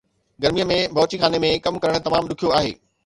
گرمي ۾ باورچی خانه ۾ ڪم ڪرڻ تمام ڏکيو آهي